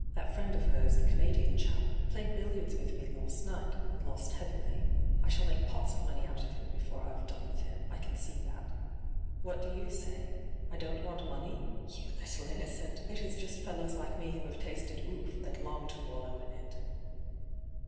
' That friend of hers, the Canadian chap, played billiards with me last night, and lost heavily. I shall make pots of money out of him before I've done with him, I can see that What do you say ? I don't 10 nyt,, 6^hyG00glc 146 ENTRAPPED want money ? Yoa little innocent ! It is just fellows like me who have tasted oof that long to wallow in it.'